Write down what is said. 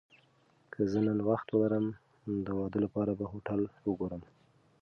که زه نن وخت ولرم، د واده لپاره به هوټل وګورم.